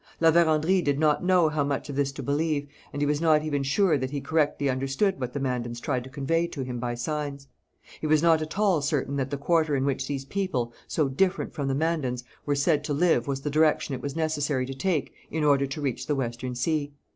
La Vérendrye did not know how much of this to believe, and he was not even sure that he correctly understood what the Mandans tried to convey to him by signs. He was not at all certain that the quarter in which these people, so different from the Mandans, were said to live was the direction it was necessary to take in order to reach the Western Sea.